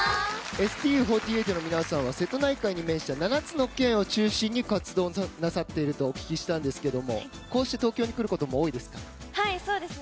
ＳＴＵ４８の皆さんは瀬戸内海に面した７つの県を中心に活動なさっているとお聞きしたんですがこうして東京に来ることもそうですね。